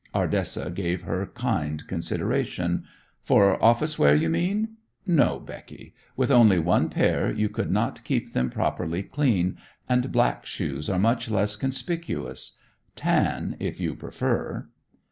Ardessa gave her kind consideration. "For office wear, you mean? No, Becky. With only one pair, you could not keep them properly clean; and black shoes are much less conspicuous. Tan, if you prefer."